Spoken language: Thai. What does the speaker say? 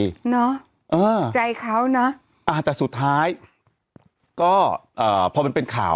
เนอะเออใจเขาเนอะอ่าแต่สุดท้ายก็เอ่อพอมันเป็นข่าว